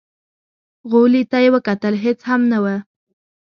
غولي ته يې وکتل، هېڅ هم نه و.